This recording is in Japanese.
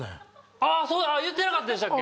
ああーそう言ってなかったでしたっけ？